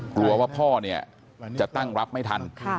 กลัวว่าพ่อเนี่ยจะตั้งรับไม่ทัน